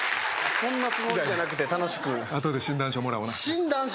そんなつもりじゃなくて楽しくあとで診断書もらおうな診断書？